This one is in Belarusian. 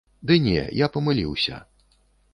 Ды не, я памыліўся.